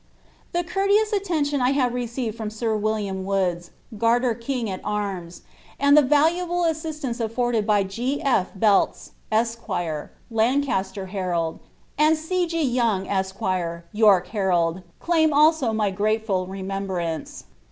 The courteous attention I have receiveii from Sir William Woods, garler king at arms, and the valuable assistance afforded by G. F. Dells. Esq. Lancaster Herald, end C. O. Young, Esq. York Herald, aim also my grateful remembrance.